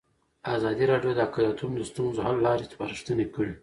ازادي راډیو د اقلیتونه د ستونزو حل لارې سپارښتنې کړي.